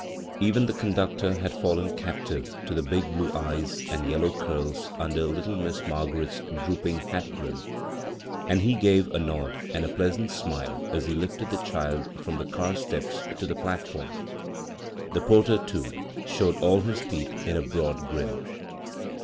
Even the conductor had fallen captive to the big blue eyes and yellow curis under little Miss Margaret's drooling hat brim, and he gave a nod and a pleasant snale as he lifted the child from the car steps to the plat form. The porter, too, showed all his teeth In a broad grin.